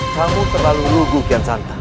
kamu terlalu lugu kian santa